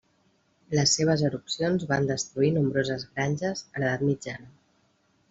Les seves erupcions van destruir nombroses granges a l'edat mitjana.